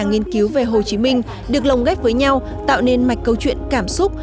nghiên cứu về hồ chí minh được lồng ghép với nhau tạo nên mạch câu chuyện cảm xúc